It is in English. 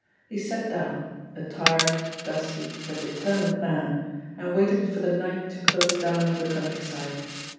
He sat down, a tired, dusty but determined man, and waited for the night to close down over the countryside.